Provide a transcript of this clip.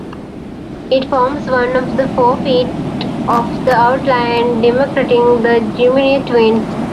It forms one of the four feet of the outline demarcating the Gemini twins.